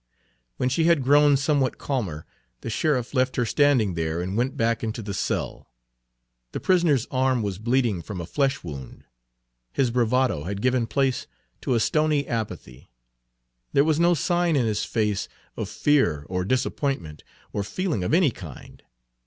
When she had grown somewhat calmer, the sheriff left her standing there and went back into the cell. The prisoner's arm was bleeding from a flesh wound. His bravado had given place to a stony apathy. There was no sign in his face of fear or disappointment or feeling of any kind.